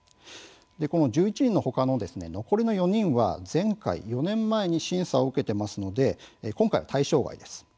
この１１人のほかの残りの４人は前回４年前に審査を受けていますので今回は対象外です。